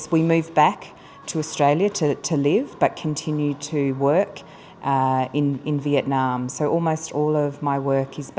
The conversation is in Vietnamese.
vì vậy gần tất cả những việc của tôi